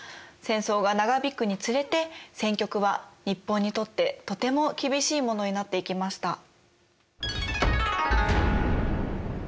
戦争が長引くにつれて戦局は日本にとってとても厳しいものになっていきました。